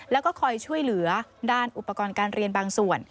แล้วก็คอยช่วยเหลือด้านอุปกรณ์การเรียนบางส่วน